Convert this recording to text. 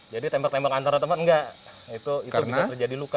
jadi tembak tembak antar teman nggak itu bisa terjadi luka